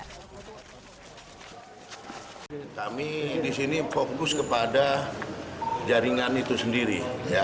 kami di sini fokus kepada jaringan itu sendiri